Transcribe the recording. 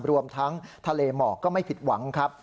รวมทั้งทะเลหมอกก็ไม่ผิดหวังครับ